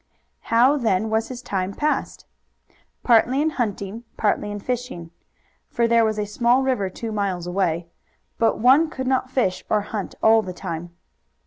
How, then, was his time passed? Partly in hunting, partly in fishing for there was a small river two miles away but one could not fish or hunt all the time.